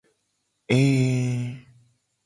Ee.